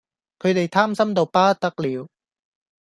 佢地貪心到不得了